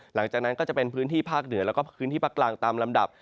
หลังจากนั้นก็จะเป็นพื้นที่ภาคเหนือแล้วก็พื้นที่ภาคกลางตามลำดับ